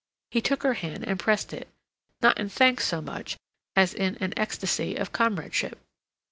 He took her hand and pressed it, not in thanks so much as in an ecstasy of comradeship.